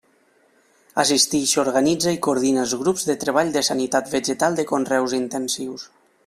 Assisteix, organitza i coordina els grups de treball de sanitat vegetal de conreus intensius.